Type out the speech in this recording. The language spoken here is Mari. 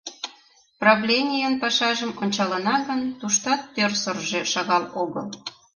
Правленийын пашажым ончалына гын, туштат тӧрсыржӧ шагал огыл.